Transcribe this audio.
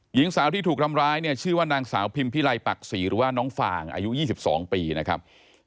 หญิงสาวที่ถูกทำร้ายเนี่ยชื่อว่านางสาวพิมพิไลปักศรีหรือว่าน้องฟางอายุ๒๒ปีนะครับ